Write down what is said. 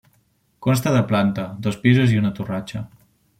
Consta de planta, dos pisos i una torratxa.